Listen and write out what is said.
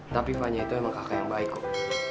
tapi fanya itu emang kakak yang baik kok